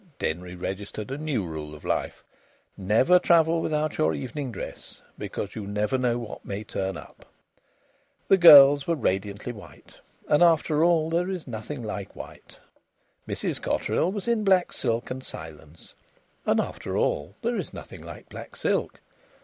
(Denry registered a new rule of life: Never travel without your evening dress, because you never know what may turn up.) The girls were radiantly white. And after all there is nothing like white. Mrs Cotterill was in black silk and silence. And after all there is nothing like black silk.